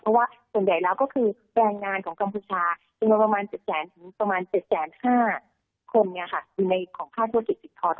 เพราะว่าส่วนใหญ่แล้วก็คือแบงงานของกัมพูชาประมาณ๗๐๐๐๐๐๗๕๐๐๐๐คมอยู่ในของค่าธุรกิจจิตทรตรงนี้